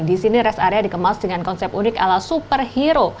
di sini rest area dikemas dengan konsep unik ala superhero